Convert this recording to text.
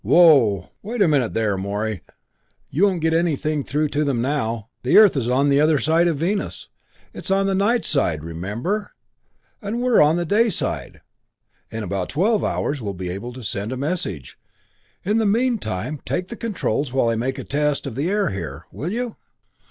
"Whoa wait a minute there, Morey you won't get anything through to them now. The Earth is on the other side of Venus it's on the night side, remember and we're on the day side. In about twelve hours we'll be able to send a message. In the meantime, take the controls while I make a test of the air here, will you?"